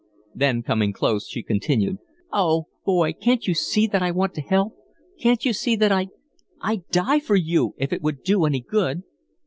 Then, coming close, she continued: "Oh, boy! Can't you see that I want to help? Can't you see that I I'd DIE for you if it would do any good?"